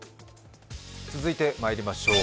続いてまいりましょう。